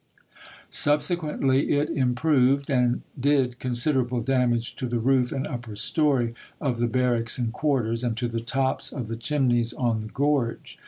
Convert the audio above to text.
Subsequently it improved, and did considerable damage to the roof and upper story of the barracks and quarters, and to the tops of the chimneys on the gorge.